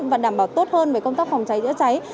và đảm bảo tốt hơn về công tác phòng cháy chữa cháy